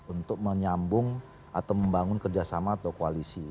untuk menyambung atau membangun kerjasama atau koalisi